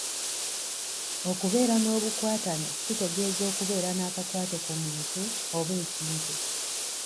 Okubeera n'obukwatane kitegeeza okubeera n'akakwate ku muntu oba ekintu.